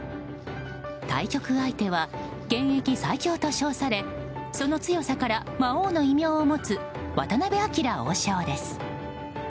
対局相手は現役最強と称されその強さから、魔王の異名を持つ渡辺明王将です。